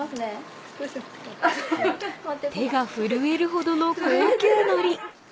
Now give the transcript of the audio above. ［手が震えるほどの高級のり］